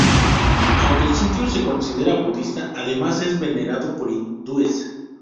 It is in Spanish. Aunque el sitio se considera budista, además es venerado por hindúes.